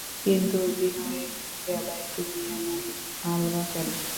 কিন্তু বিনয়ের বেলাই তুমি এমন আলগা কেন?